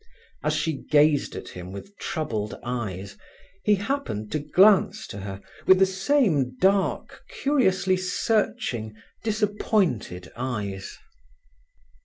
As she gazed at him with troubled eyes, he happened to glance to her, with the same dark, curiously searching, disappointed eyes.